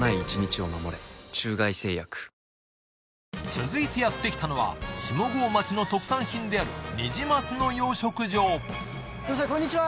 続いてやって来たのは下郷町の特産品であるニジマスの養殖場